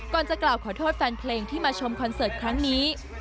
จะกล่าวขอโทษแฟนเพลงที่มาชมคอนเสิร์ตครั้งนี้